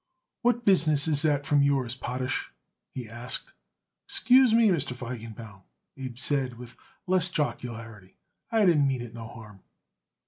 "What business is that from yours, Potash?" he asked. "Excuse me, Mr. Feigenbaum," Abe said with less jocularity, "I didn't mean it no harm."